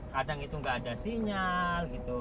kadang itu nggak ada sinyal gitu